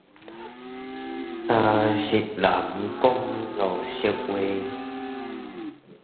三色人講五色話